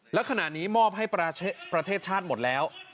และขณะนี้มอบให้ประเทศชาติหมดแล้ว